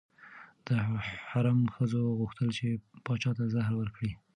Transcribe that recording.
د حرم ښځو غوښتل چې پاچا ته زهر ورکړي.